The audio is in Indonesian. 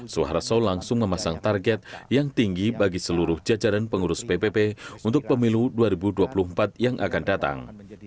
suharto langsung memasang target yang tinggi bagi seluruh jajaran pengurus ppp untuk pemilu dua ribu dua puluh empat yang akan datang